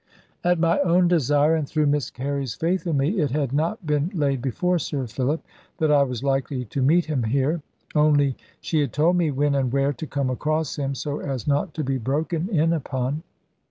At my own desire, and through Miss Carey's faith in me, it had not been laid before Sir Philip that I was likely to meet him here; only she had told me when and where to come across him, so as not to be broken in upon.